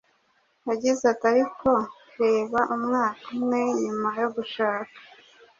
Yagize ati “Ariko reba umwaka umwe nyuma yo gushaka,